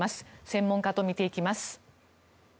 専門家と見ていきます。